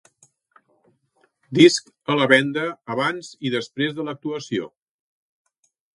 Disc a la venda abans i després de l'actuació.